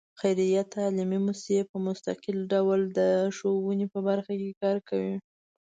خیریه تعلیمي مؤسسې په مستقل ډول د ښوونې په برخه کې کار کوي.